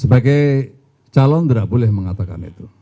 sebagai calon tidak boleh mengatakan itu